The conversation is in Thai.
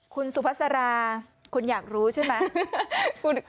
คุณสุภาษาราคุณอยากรู้ใช่ไหม